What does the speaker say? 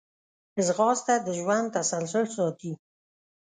ځغاسته د ژوند تسلسل ساتي